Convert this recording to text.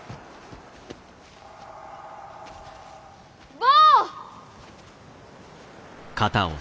坊！